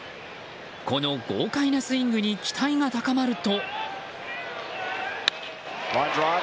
この豪快なスイングに期待が高まると。